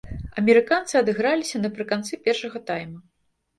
Амерыканцы адыграліся напрыканцы першага тайма.